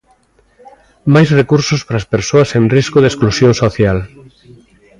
Máis recursos para as persoas en risco de exclusión social.